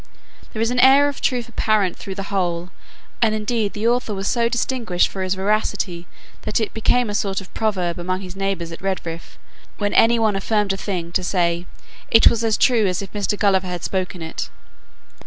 There is an air of truth apparent through the whole; and indeed the author was so distinguished for his veracity, that it became a sort of proverb among his neighbours at Redriff, when any one affirmed a thing, to say, it was as true as if Mr. Gulliver had spoken it.